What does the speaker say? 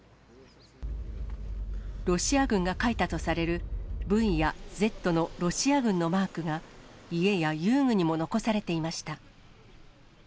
ロシア軍が書いたとされるＶやＺのロシア軍のマークが、家や遊具にも残されていました。